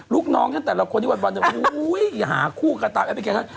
ลูกน้องท่านแต่ละคนที่วันหาคู่กันตามแอปพลิเคชัน